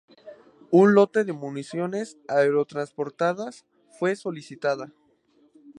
Un lote de municiones aerotransportadas fue solicitada.